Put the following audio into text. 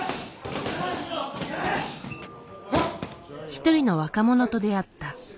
一人の若者と出会った。